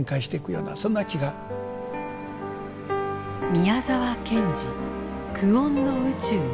「宮沢賢治久遠の宇宙に生きる」。